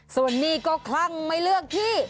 ส่วนนี้ก็คลั่งไม่เลือกที่